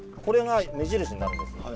これが目印になるんです。